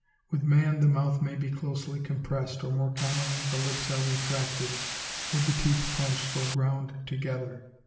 With man the mouth may be closely compressed, or more commonly the lips are retracted, with the teeth clenched or ground together.